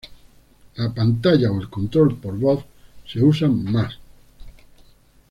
La pantalla o el control por voz se usa más.